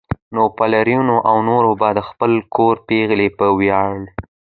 نو پلرونو او نورو به د خپل کور پېغلې په وياړ